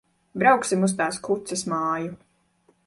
Brauksim uz tās kuces māju.